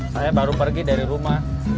saya baru pergi dari rumah